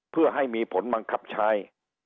เพื่อให้มีผลบังคับใช้